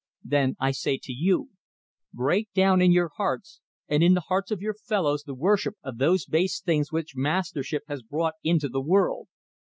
"Then I say to you: Break down in your hearts and in the hearts of your fellows the worship of those base things which mastership has brought into the world.